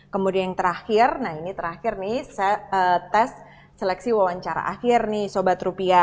kemudian yang terakhir nah ini terakhir nih saya tes seleksi wawancara akhir nih sobat rupiah